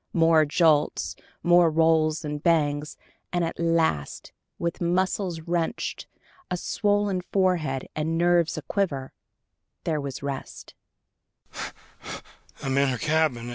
More jolts, more rolls and bangs, and at last, with muscles wrenched, a swollen forehead and nerves aquiver, there was rest.